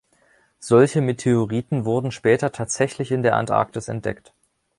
Solche Meteoriten wurden später tatsächlich in der Antarktis entdeckt.